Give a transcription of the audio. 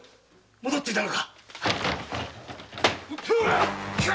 戻っていたのか？